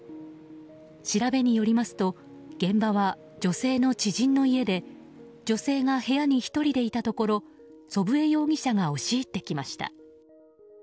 調べによりますと現場は女性の知人の家で女性が部屋に１人でいたところ祖父江容疑者が押し入ってきました。